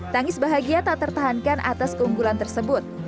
tangis bahagia tak tertahankan atas keunggulan tersebut